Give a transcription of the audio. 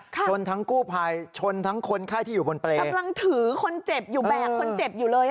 ชนทั้งกู้ภัยชนทั้งคนไข้ที่อยู่บนเปรย์กำลังถือคนเจ็บอยู่แบกคนเจ็บอยู่เลยอ่ะ